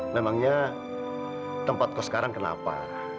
memangnya tempat kau sekarang kenapa